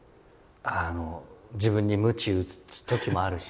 あの自分にむち打つときもあるし。